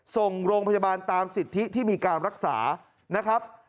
ส่งโรงพยาบาลตามสิทธิที่มีการรักษานะครับ